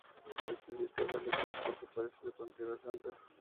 Este sitio fue elegido por su parecido con Tierra Santa.